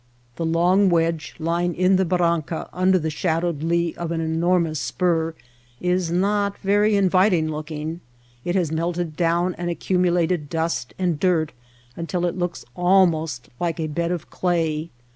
The long wedge lying in the barranca under the shadowed lee of an enormous spur is not very inviting looking. It has melted down and accumulated dust and dirt until it looks al MOTJNTAIN BARRIERS 221 most like a bed of clay.